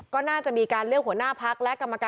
ก็น่าจะจะมีการเลือกหัวหน้าพักและกรรมการบริหารพัก